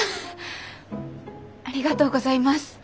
ありがとうございます。